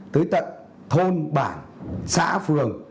tới tận thôn bản xã phường